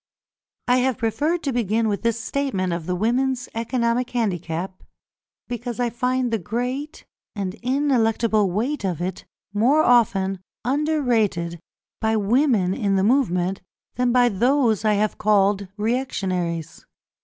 I have preferred to begin with this statement of the women's economic handicap, because I find the great and ineluctable weight of it more often under rated by women in the movement than by those I have called reactionaries.